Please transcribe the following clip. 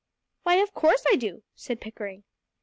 "Why, of course I do," said Pickering.